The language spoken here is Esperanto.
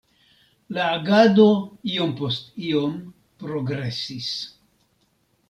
La agado iom post iom progresis.